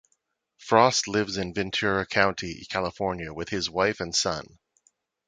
Frost lives in Ventura County, California with his wife and son.